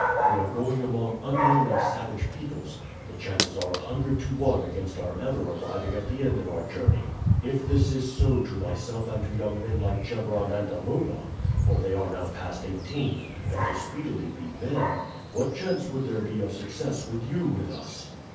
We are going among unknown and savage peoples; the chances are a hundred to one against our ever arriving at the end of our journey. If this is so to myself and to young men like Chebron and Amuba for they are now past eighteen, and will speedily be men what chance would there be of success with you with us?"